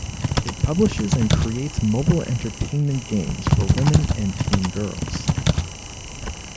It publishes and creates mobile entertainment games for women and teen girls.